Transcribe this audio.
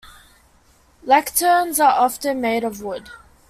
Lecterns are often made of wood.